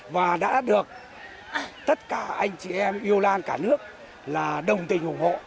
và đã được tất cả anh chị em yêu lan cả nước là đồng tình ủng hộ